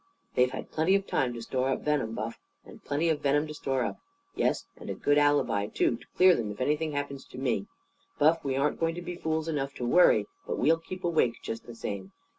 "They've had plenty of time to store up venom, Buff. And plenty of venom to store up. Yes, and a good alibi, too, to clear them if anything happens to me. Buff, we aren't going to be fools enough to worry. But we'll keep awake, just the same.